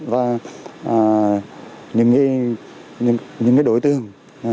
và những đối tượng